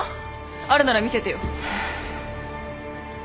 あるなら見せてよ。